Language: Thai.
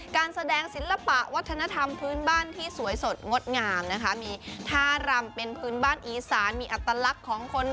การแสดงศิลปะวัฒนธรรมพื้นบ้านที่สวยสดงดงามนะคะมีท่ารำเป็นพื้นบ้านอีสานมีอัตลักษณ์ของคน